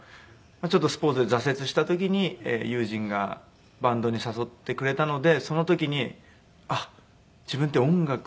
ちょっとスポーツで挫折した時に友人がバンドに誘ってくれたのでその時にあっ自分って音楽